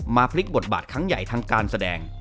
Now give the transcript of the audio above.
พลิกบทบาทครั้งใหญ่ทางการแสดง